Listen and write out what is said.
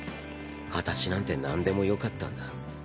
形なんてなんでもよかったんだ。